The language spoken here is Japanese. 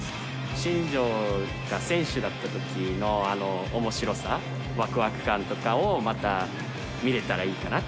新庄が選手だったときのおもしろさ、わくわく感とかをまた見れたらいいかな。